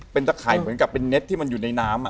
เป็นตะข่ายเหมือนกับเป็นเน็ตที่มันอยู่ในน้ำ